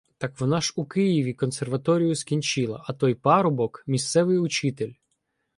— Так вона ж у Києві консерваторію скінчила, а той парубок — місцевий учитель.